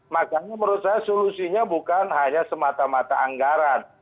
makanya menurut saya solusinya bukan hanya semata mata anggaran